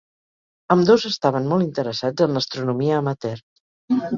Ambdós estaven molt interessats en l'astronomia amateur.